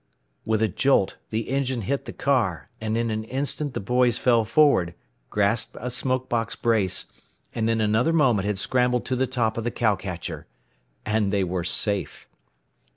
_" With a jolt the engine hit the car, and in an instant the boys fell forward, grasped a smoke box brace, and in another moment had scrambled to the top of the cow catcher. And they were safe!